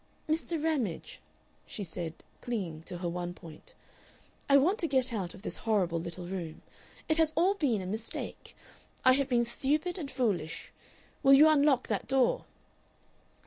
"Mr. Ramage," she said, clinging to her one point, "I want to get out of this horrible little room. It has all been a mistake. I have been stupid and foolish. Will you unlock that door?"